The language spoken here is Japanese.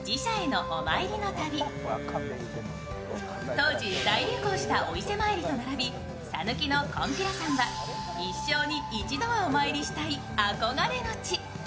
当時、大流行したお伊勢参りと並びさぬきのこんぴらさんは一生に一度はお参りしたい憧れの地。